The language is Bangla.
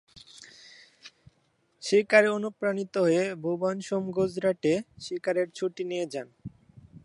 শিকারে অনুপ্রাণিত হয়ে ভুবন সোম গুজরাটে "শিকারের ছুটি" নিয়ে যান।